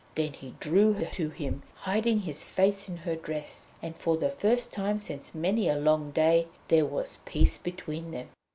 Then he drew her to him, hiding his face in her dress; and for the first time since many a long day there was peace between them.